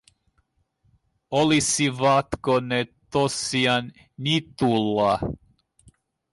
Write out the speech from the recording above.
Olisivatko ne tosiaan niityllä?